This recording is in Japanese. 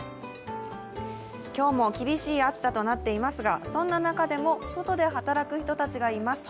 今日も厳しい暑さとなっていますが、そんな中でも外で働く人たちがいます。